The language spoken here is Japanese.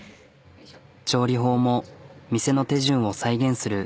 調理法も店の手順を再現する。